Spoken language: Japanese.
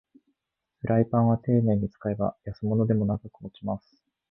フライパンはていねいに使えば安物でも長く持ちます